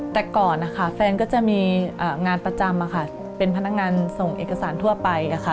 แต่ก่อนนะคะแฟนก็จะมีงานประจำค่ะเป็นพนักงานส่งเอกสารทั่วไปค่ะ